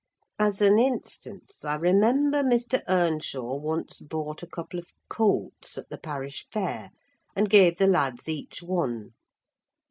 As an instance, I remember Mr. Earnshaw once bought a couple of colts at the parish fair, and gave the lads each one.